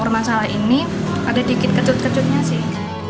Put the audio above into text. kurma salak ini ada dikit kecut kecutnya sih